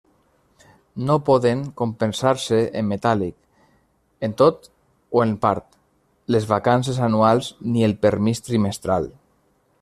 No poden compensar-se en metàl·lic, en tot o en part, les vacances anuals ni el permís trimestral.